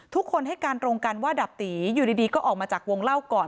ทุกคนให้การตรงกันว่าดาบตีอยู่ดีก็ออกมาจากวงเล่าก่อน